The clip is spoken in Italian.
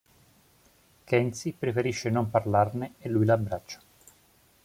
Kensi preferisce non parlarne e lui la abbraccia.